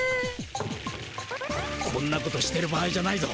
こんなことしてる場合じゃないぞ。